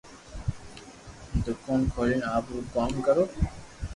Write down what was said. دوڪون کولين آپرو ڪوم ڪرو